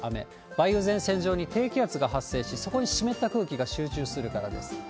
梅雨前線上に低気圧が発生し、そこに湿った空気が集中するからです。